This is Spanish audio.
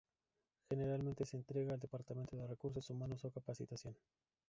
Generalmente se entrega al Departamento de Recursos Humanos o Capacitación.